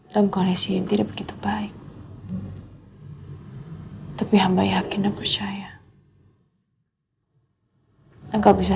lancarkanlah semua pekerjaan saya